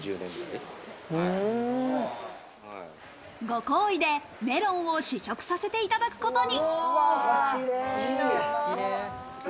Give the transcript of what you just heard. ご厚意でメロンを試食させていただくことに。